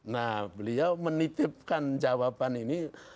nah beliau menitipkan jawaban ini